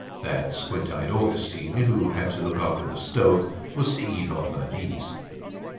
That squint eyed Augustine who had to look after the stoves was to eat off her knees.